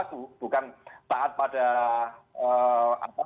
padahal polisi profesional seharusnya taat pada aturan hukum dan norma yang tersebut